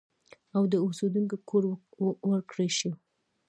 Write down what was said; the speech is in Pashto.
او د اوسېدو کور ورکړی شو